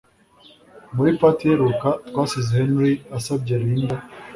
Muri part iheruka twasize Henry asabye Linda